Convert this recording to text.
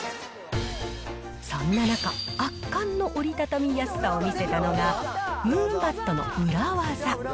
そんな中、圧巻の折りたたみやすさを見せたのが、ムーンバットの裏技。